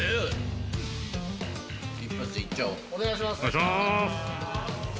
お願いします。